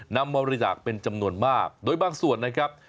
นำบริจาคเป็นจำนวนมากโดยบางส่วนนะครับ